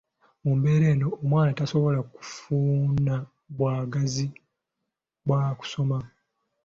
Mu mbeera eno, omwana tasobola kufuna bwagazi bwa kusoma.